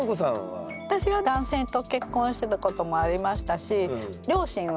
私は男性と結婚してたこともありましたし。